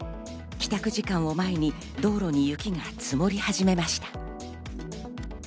帰宅時間を前に道路に雪が積もり始めました。